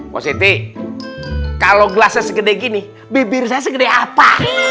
positi kalau gelas segede gini bibir segede apa